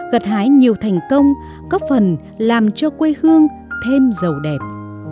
gật hái nhiều thành công góp phần làm cho quê hương thêm giàu đẹp